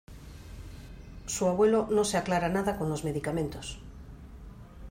Su abuelo no se aclara nada con los medicamentos.